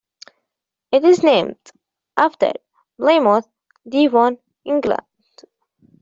It is named after Plymouth, Devon, England.